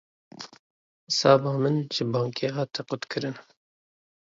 Hisaba min ji bankê hate qutkirin